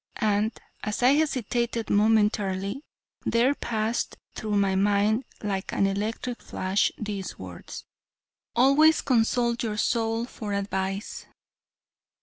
And, as I hesitated momentarily, there passed through my mind like an electric flash, these words: "Always consult your soul for advice.